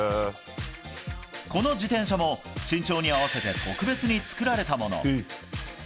この自転車も身長に合わせて特別に作られたもの。